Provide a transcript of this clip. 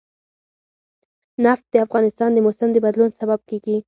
نفت د افغانستان د موسم د بدلون سبب کېږي.